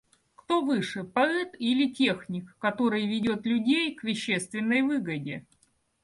Кто выше – поэт или техник, который ведет людей к вещественной выгоде?